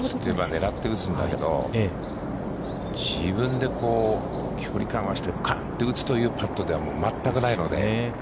狙って打つんだけど、自分でこう、距離感を合わせて、カンと打つというパットでは、もう全くないので。